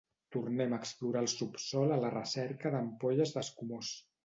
Tornem a explorar el subsòl a la recerca d'ampolles d'escumós.